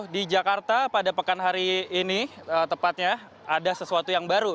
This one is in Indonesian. di jakarta pada pekan hari ini tepatnya ada sesuatu yang baru